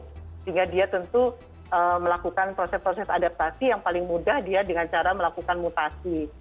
sehingga dia tentu melakukan proses proses adaptasi yang paling mudah dia dengan cara melakukan mutasi